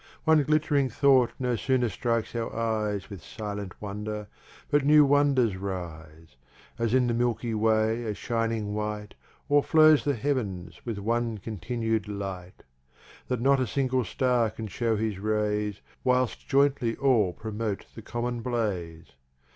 One glitt'ring Thought no sooner strikes our Eyes With silent wonder, but new wonders rise. As in the Milky way a shining White, O'er flows the Heav'ns, with one continu'd Light; That not a single Star can shew his Rays, Whilst joyntly all promote the Common Blaze.